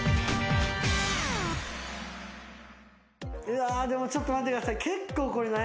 うわでもちょっと待ってください。